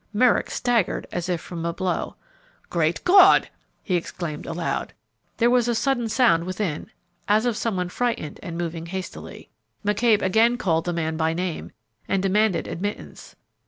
Merrick staggered as if from a blow. "Great God!" he exclaimed aloud. There was a sudden sound within as of some one frightened and moving hastily. McCabe again called the man by name, and demanded admittance.